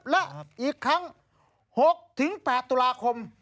และอีกครั้ง๖๘ตุลาคม